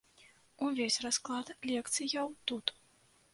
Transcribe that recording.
Увесь расклад лекцыяў тут.